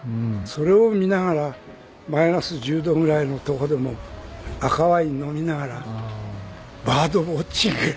「それを見ながらマイナス１０度ぐらいの所で赤ワイン飲みながらバードウォッチング」